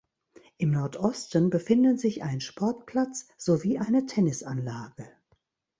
Im Nordosten befinden sich ein Sportplatz sowie eine Tennisanlage.